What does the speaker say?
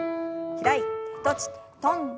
開いて閉じて跳んで。